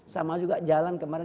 sama juga jalan kemarin